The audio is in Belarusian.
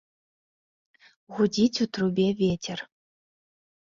Гудзіць у трубе вецер.